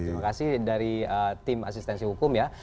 terima kasih dari tim asistensi hukum ya